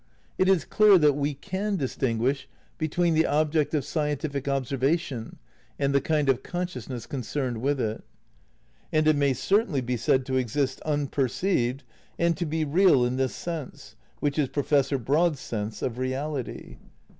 It is clear that we can distinguish be tween the object of scientific observation and the kind of consciousness concerned with it. And it may cer tainly be said to exist unperceived and to be real in this sense (which is Professor Broad's sense) of reality.